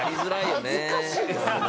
恥ずかしいんです。